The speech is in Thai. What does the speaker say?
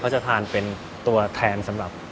พอมันเริ่มเป็นแผ่นนะครับ